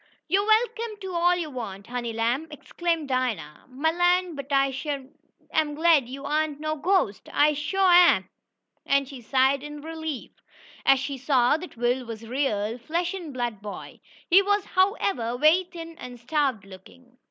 "Yo' am welcome to all yo' want, honey lamb!" exclaimed Dinah. "Mah land, but I shuah am glad yo' ain't no ghostest! I shuah am!" and she sighed in relief, as she saw that Will was a real, flesh and blood boy. He was, however, very thin and starved looking.